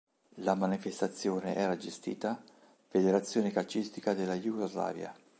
La manifestazione era gestita Federazione calcistica della Jugoslavia.